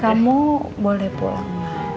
kamu boleh pulang